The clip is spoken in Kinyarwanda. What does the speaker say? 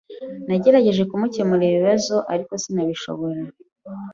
Nagerageje gukemura ikibazo, ariko sinabishobora.